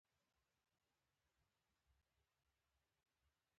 ګیلاس د کورنۍ مینه ښيي.